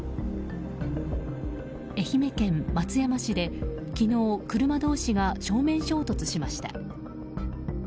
愛媛県松山市で昨日、車同士が正面衝突しました。